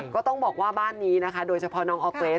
ก็ต้องบอกว่าบ้านนี้นะคะโดยเฉพาะน้องออร์เกรส